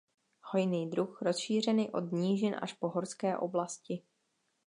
Hojný druh rozšířený od nížin až po horské oblasti.